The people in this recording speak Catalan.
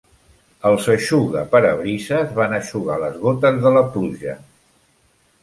Els eixugaparabrises van eixugar les gotes de la pluja.